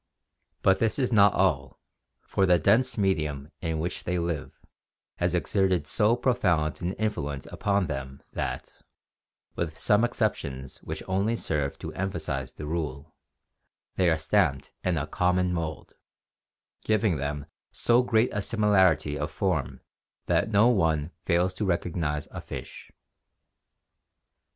But this is not all, for the dense medium in which they live has exerted so profound an influence upon them that, with some excep tions which only serve to emphasize the rule, they are stamped in a common mould, giving them so great a similarity of form that no one fails to recognize a fish.